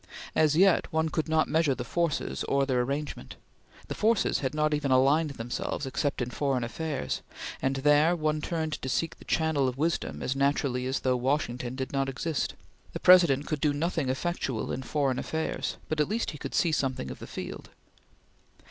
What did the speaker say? As yet, one could not measure the forces or their arrangement; the forces had not even aligned themselves except in foreign affairs; and there one turned to seek the channel of wisdom as naturally as though Washington did not exist. The President could do nothing effectual in foreign affairs, but at least he could see something of the field.